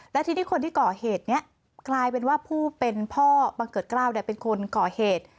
และทีนี้คนที่ก่อเหตุนี้กลายเป็นว่าผู้เป็นพ่อบังเกิดกล้าวเป็นคนก่อเหตุ